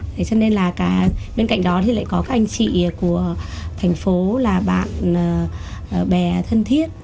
thế cho nên là cả bên cạnh đó thì lại có các anh chị của thành phố là bạn bè thân thiết